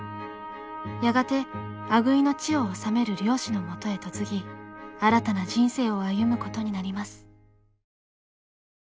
やがて阿久比の地を治める領主のもとへ嫁ぎ新たな人生を歩むことになります。